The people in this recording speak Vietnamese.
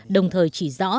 đồng thời chỉ rõ